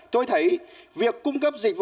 tôi thấy việc cung cấp dịch vụ